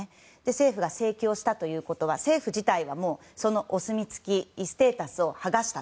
政府が請求したということは政府自体がそのお墨付きステータスを剥がした。